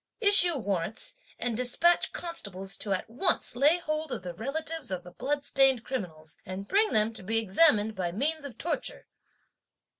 Issue warrants, and despatch constables to at once lay hold of the relatives of the bloodstained criminals and bring them to be examined by means of torture."